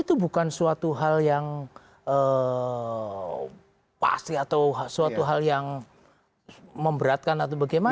itu bukan suatu hal yang pasti atau suatu hal yang memberatkan atau bagaimana